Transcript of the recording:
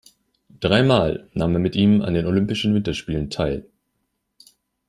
Dreimal nahm er mit ihm an Olympischen Winterspielen teil.